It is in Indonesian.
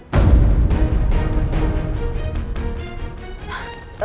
dengar suara dewi